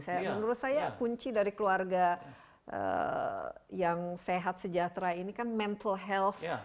menurut saya kunci dari keluarga yang sehat sejahtera ini kan mental health